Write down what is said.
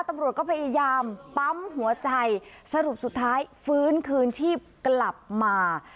ตำรวจก็พยายามปั๊มหัวใจสรุปสุดท้ายฟื้นคืนชีพกลับมา